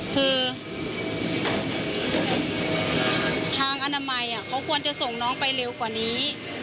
คือทางอนามัยเขาควรจะส่งน้องไปเร็วกว่านี้